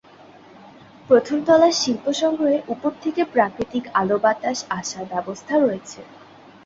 প্রথম তলার শিল্প সংগ্রহে, উপর থেকে প্রাকৃতিক আলো আসার ব্যবস্থা রয়েছে।